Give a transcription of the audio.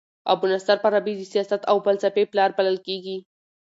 ابو نصر فارابي د سیاست او فلسفې پلار بلل کيږي.